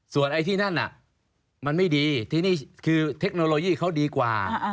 ส่วนไอ้ที่นั่นมันไม่ดีที่นี่คือเทคโนโลยีเขาดีกว่า